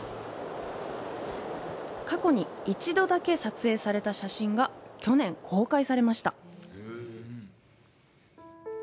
過去に一度だけ撮影された写真が去年、公開されました